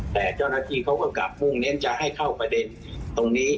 แต่เจ้าหน้าที่เขาก็กลับมุ่งเน้นจะให้เข้าประเด็นตรงนี้